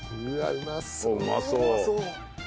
うまそう。